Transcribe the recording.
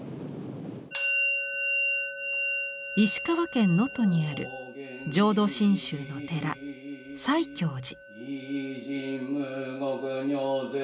石川県能登にある浄土真宗の寺西教寺。